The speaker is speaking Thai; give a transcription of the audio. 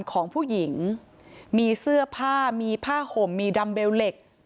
ของผู้หญิงมีเสื้อผ้ามีผ้าห่มมีดำเบลเหล็ก